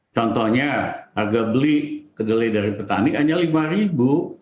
contohnya harga beli kedelai dari petani hanya rp lima